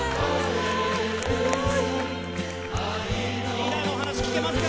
リーダーのお話聞けますか？